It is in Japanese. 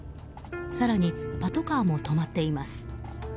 更にパトカーも止まっています。